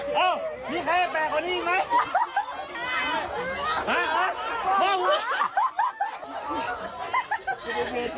สายไฟสายไฟสายไฟอยู่ไหน